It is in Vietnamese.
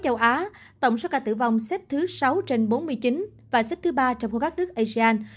châu á tổng số ca tử vong xếp thứ sáu trên bốn mươi chín và xếp thứ ba trong khu các nước asean